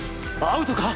アウトか！？